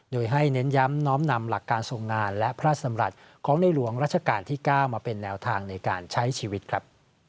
โดยให้เน้นย้ำน้อมนำหลักการทรงงานและพระสำรัฐของในหลวงรัชกาลที่๙มาเป็นแนวทางในการใช้ชีวิตครับ